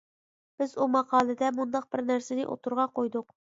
بىز ئۇ ماقالىدە مۇنداق بىر نەرسىنى ئوتتۇرىغا قويدۇق.